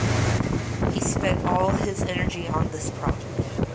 He spent all his energy on this project.